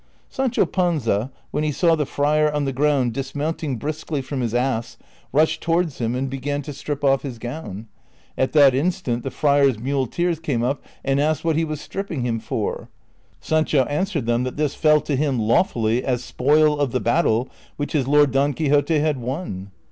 Sancho Panza, when he saw the friar on the ground, dis mounting briskly from his ass, rushed towards him and began rilAI'TER vriT 51 to strip off liis j^own. At tliat instant the friars' muleteers came up and asked Avliat he was striijping him for. Saneho answered them that this fell to him lawfully as spoil of the battle which his lord Don Quixote had won.